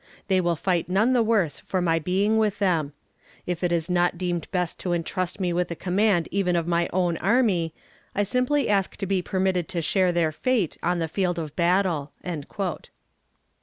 They will fight none the worse for my being with them. If it is not deemed best to intrust me with the command even of my own army, I simply ask to be permitted to share their fate on the field of battle."